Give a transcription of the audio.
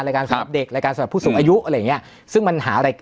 สำหรับเด็กรายการสำหรับผู้สูงอายุอะไรอย่างเงี้ยซึ่งมันหารายการ